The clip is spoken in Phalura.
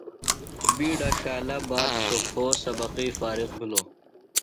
بِیڈہ کالہ باد سوۡ پھو سبقی فارغ بِھلوۡ۔